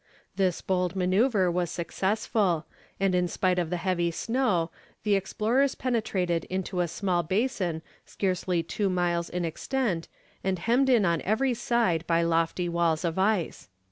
This bold manoeuvre was successful, and in spite of the heavy snow, the explorers penetrated into a small basin scarcely two miles in extent and hemmed in on every side by lofty walls of ice.